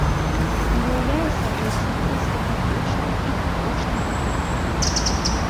Уяўляе сабой сінтэз гатычнай і барочнай архітэктуры.